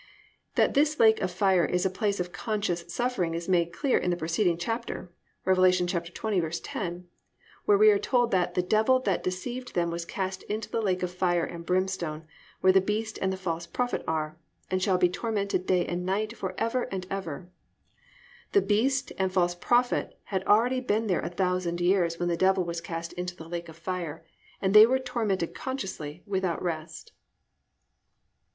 That this lake of fire is a place of conscious suffering is made clear in the preceding chapter, Rev. 20:10, where we are told that "the devil that deceived them was cast into the lake of fire and brimstone, where the beast and the false prophet are, and shall be tormented day and night for ever and ever." The beast and false prophet had already been there a thousand years when the devil was cast into the lake of fire, and they were tormented consciously, without rest.